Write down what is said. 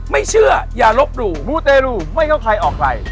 ไม่เชื่ออย่ารบรูมูเตรรูไม่เข้าใครออกไหล